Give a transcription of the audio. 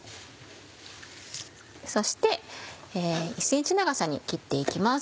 そして１ｃｍ長さに切って行きます。